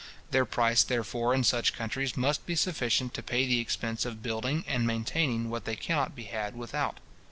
Their price, therefore, in such countries, must be sufficient to pay the expense of building and maintaining what they cannot be had without.